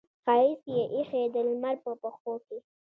ښایست یې ایښې د لمر په پښو کې